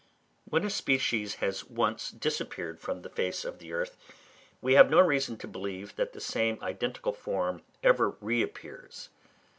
When a species has once disappeared from the face of the earth, we have no reason to believe that the same identical form ever reappears.